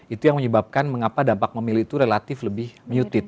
itu yang menyebabkan mengapa dampak memilih itu relatif lebih muted